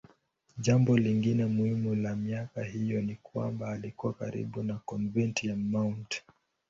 Jambo lingine muhimu la miaka hiyo ni kwamba alikuwa karibu na konventi ya Mt.